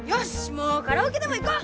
もうカラオケでも行こう！